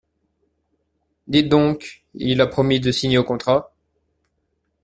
Dites donc, il a promis de signer au contrat…